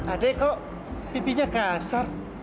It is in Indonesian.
adek kok pipinya kasar